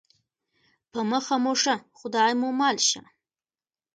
په مخه مو ښه خدای مو مل شه